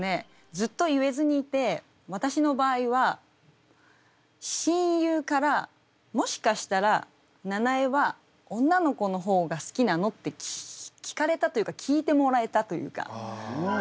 ずっと言えずにいて私の場合は親友から「もしかしたらななえは女の子の方が好きなの？」って聞かれたというか聞いてもらえたというか。